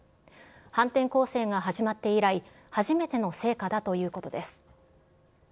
反転攻勢が始まって以来、初めての成果だということです。